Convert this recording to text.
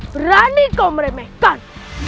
berani kau meremehkan